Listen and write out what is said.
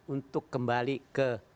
untuk kembali ke